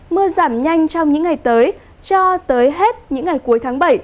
mưa giảm nhanh trong những ngày tới cho tới hết những ngày cuối tháng bảy